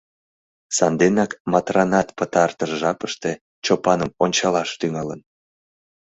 Санденак Матранат пытартыш жапыште Чопаным ончалаш тӱҥалын.